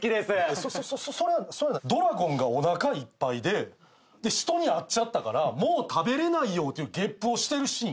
そそれはドラゴンがおなかいっぱいで人に会っちゃったからもう食べられないよってげっぷをしてるシーン？